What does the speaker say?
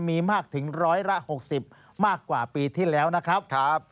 มีมากถึงร้อยละ๖๐มากกว่าปีที่แล้วนะครับ